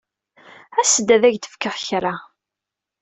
As-d, ad ak-d-fkeɣ kra.